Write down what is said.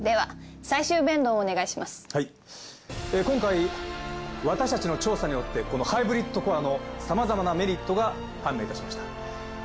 今回私たちの調査によってこのハイブリッドコアのさまざまなメリットが判明いたしました。